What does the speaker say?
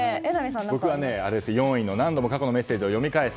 僕は４位の何度も過去のメッセージを読み返す。